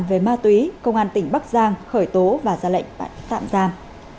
về ma túy công an tỉnh bắc giang khởi tố và ra lệnh bắt tạm giam